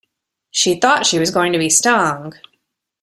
She thought she was going to be stung.